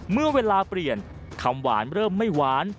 เมื่อเวลาเปลี่ยนคำหวานเริ่มไม่หวาน